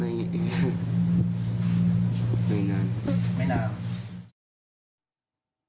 ไม่นาน